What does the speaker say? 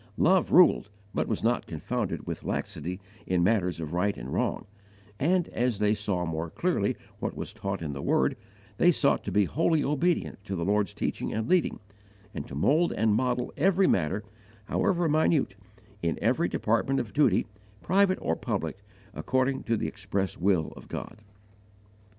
Love ruled, but was not confounded with laxity in matters of right and wrong; and, as they saw more clearly what was taught in the Word, they sought to be wholly obedient to the Lord's teaching and leading, and to mould and model every matter, however minute, in every department of duty, private or public, according to the expressed will of God.